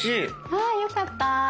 あよかった。